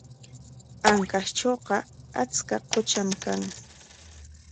Ancashtrawqa achka qutram kan.